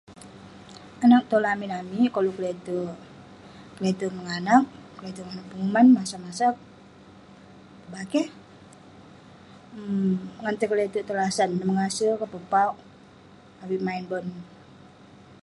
Anag tong lamin amik koluk keleterk- keleterk menganag, keleterk manouk penguman, masag-masag, pebakeh, um ngan tai keleterk tong lasan ; mengase kek, pepauk avik maen bon.